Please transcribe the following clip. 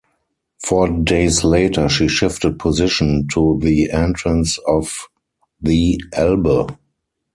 Four days later she shifted position to the entrance of the Elbe.